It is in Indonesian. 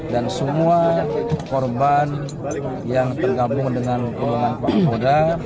dan semua korban yang tergabung dengan kemampuan kapolda